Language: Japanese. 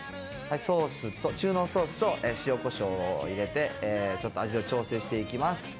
中濃ソースと塩こしょうを入れて、ちょっと味を調整していきます。